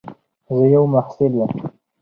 زه یو محصل یم.